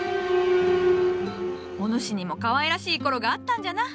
お主にもかわいらしい頃があったんじゃな。